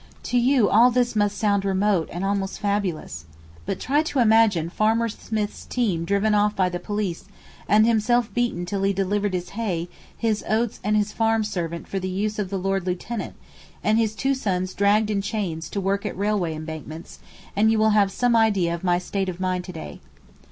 To you all this must sound remote and almost fabulous. But try to imagine Farmer Smith's team driven off by the police and himself beaten till he delivered his hay, his oats and his farm servant for the use of the Lord Lieutenant, and his two sons dragged in chains to work at railway embankments—and you will have some idea of my state of mind to day.